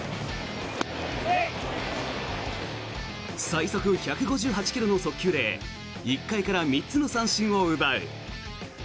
最速１５８ｋｍの速球で１回から３つの三振を奪う。